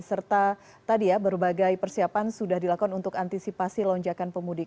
serta tadi ya berbagai persiapan sudah dilakukan untuk antisipasi lonjakan pemudik